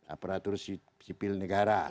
aparatur sipil negara